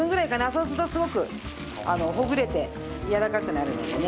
そうするとすごくほぐれてやわらかくなるのでね。